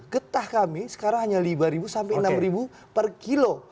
getah kami sekarang hanya rp lima sampai rp enam per kilo